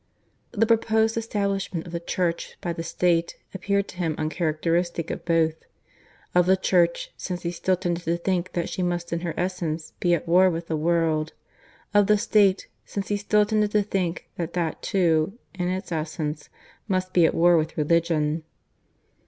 The proposed Establishment of the Church by the State appeared to him uncharacteristic of both of the Church, since he still tended to think that she must in her essence be at war with the world; of the State, since he still tended to think that that too, in its essence, must be at war with religion.